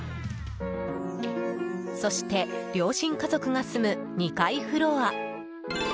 そして、両親家族が住む２階フロア。